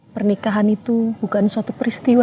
pernikahan itu bukan suatu peristiwa